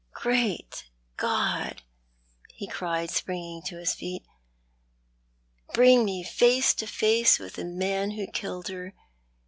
" Great God !" he cried, springing to his feet, " bring me face to face with the man who killed her.